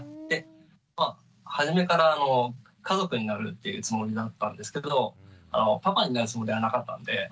でまあ初めから家族になるっていうつもりだったんですけどパパになるつもりはなかったんで。